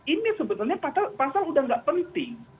ini sebenarnya pasal udah gak penting